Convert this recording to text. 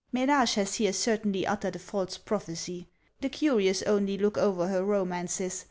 Menage has here certainly uttered a false prophecy. The curious only look over her romances.